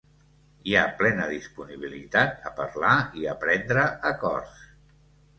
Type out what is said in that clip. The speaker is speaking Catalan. Hi ha plena disponibilitat a parlar i a prendre acords.